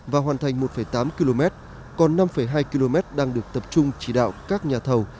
và hoàn thành một tám km còn năm hai km đang được tập trung chỉ đạo các nhà thầu